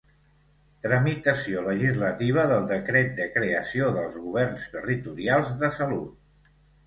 Tramitació legislativa del Decret de creació dels governs territorials de salut.